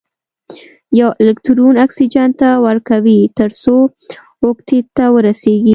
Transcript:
یو الکترون اکسیجن ته ورکوي تر څو اوکتیت ته ورسیږي.